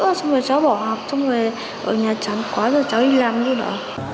xong rồi cháu bỏ học xong rồi ở nhà chán quá rồi cháu đi làm luôn đó